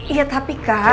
iya tapi kak